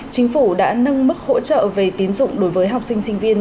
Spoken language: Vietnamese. chính phủ đã nâng mức hỗ trợ về tín dụng đối với học sinh sinh viên